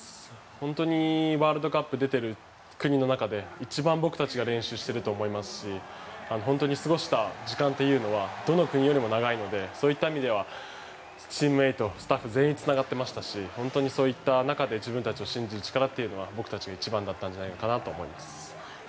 本当にワールドカップに出ている国の中で一番僕たちが練習していると思いますし本当に過ごした時間というのはどの国よりも長いのでそういった意味ではチームメート、スタッフ全員がつながっていましたし本当にそういった中で自分たちを信じる力というのは僕たちが一番だったんじゃないかなと思います。